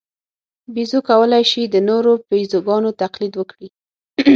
بیزو کولای شي د نورو بیزوګانو تقلید وکړي.